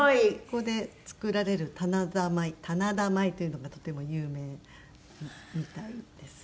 ここで作られる棚田米棚田米というのがとても有名みたいです。